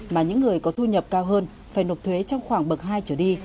mà những người có thu nhập cao hơn phải nộp thuế trong khoảng bậc hai trở đi